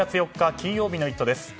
金曜日の「イット！」です。